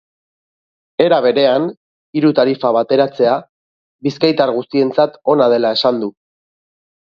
Era berean, hiru tarifa bateratzea bizkaitar guztientzat ona dela esan du.